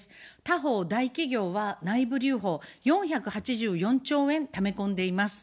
他方、大企業は内部留保を４８４兆円ため込んでいます。